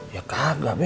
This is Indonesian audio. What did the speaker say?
ya kagak be